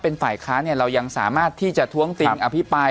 นั่นสามารถที่จะท้วงติงอภิปาย